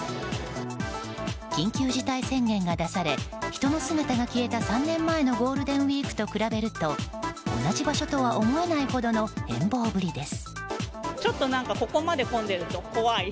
緊急事態宣言が出され人の姿が消えた、３年前のゴールデンウィークと比べると同じ場所とは思えないほどの変貌ぶりです。